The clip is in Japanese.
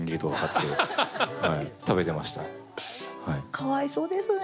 かわいそうですね。